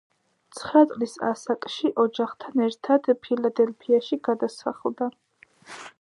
ცხრა წლის ასაკში, ოჯახთან ერთად ფილადელფიაში გადასახლდა.